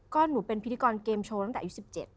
ก็หนูเป็นพิธีกรเกมโชว์ตั้งแต่อายุ๑๗